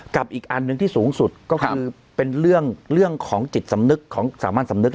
อีกอันหนึ่งที่สูงสุดก็คือเป็นเรื่องของจิตสำนึกของสามัญสำนึก